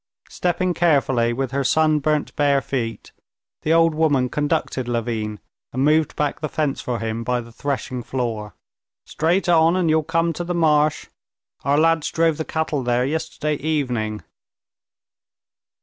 Stepping carefully with her sunburnt, bare feet, the old woman conducted Levin, and moved back the fence for him by the threshing floor. "Straight on and you'll come to the marsh. Our lads drove the cattle there yesterday evening."